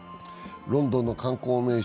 ロンドンの観光名所